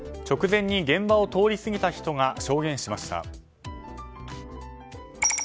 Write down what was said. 直前に現場を通り過ぎた人が証言しました。